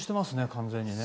完全にね。